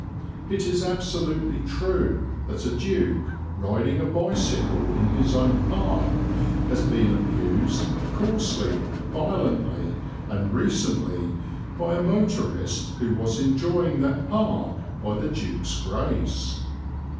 It is absolutely true that a duke, riding a bicycle in his own park, has been abused, coarsely, violently, and recently, by a motorist who was enjoying that park by the duke's grace.